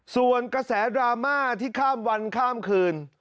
ส่วนกระแสดราม่าที่ข้ามวันข้ามคืน